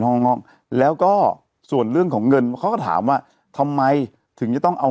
ห้องแล้วก็ส่วนเรื่องของเงินเขาก็ถามว่าทำไมถึงจะต้องเอา